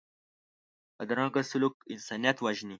بدرنګه سلوک انسانیت وژني